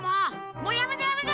もうやめだやめだ！